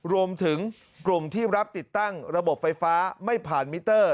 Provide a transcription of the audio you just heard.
รวมถึงกลุ่มที่รับติดตั้งระบบไฟฟ้าไม่ผ่านมิเตอร์